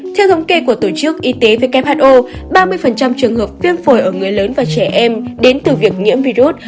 theo thống kê của tổ chức y tế who ba mươi trường hợp viêm phổi ở người lớn và trẻ em đến từ việc nhiễm virus